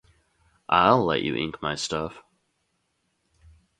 I'll let you ink my stuff'.